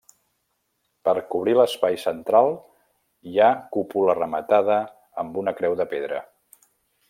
Per cobrir l'espai central hi ha cúpula rematada amb una creu de pedra.